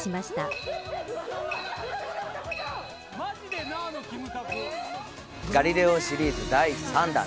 花王『ガリレオ』シリーズ第３弾。